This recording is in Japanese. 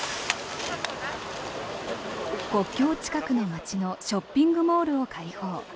国境近くの街のショッピングモールを開放。